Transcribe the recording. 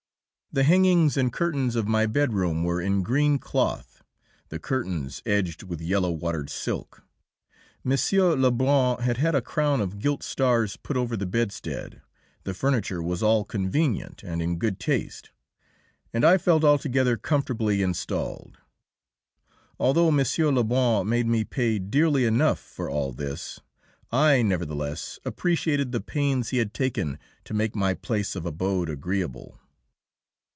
The hangings and curtains of my bedroom were in green cloth, the curtains edged with yellow watered silk. M. Lebrun had had a crown of gilt stars put over the bedstead, the furniture was all convenient and in good taste, and I felt altogether comfortably installed. Although M. Lebrun made me pay dearly enough for all this, I nevertheless appreciated the pains he had taken to make my place of abode agreeable.